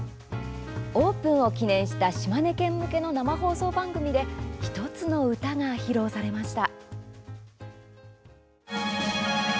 オープンを記念した島根県向けの生放送番組で１つの歌が披露されました。